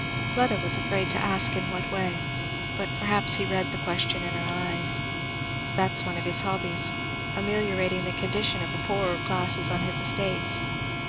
Fleda was afraid to ask in what way, but perhaps he read the question in her eyes. "That's one of his hobbies ameliorating the condition of the poorer classes on his estates.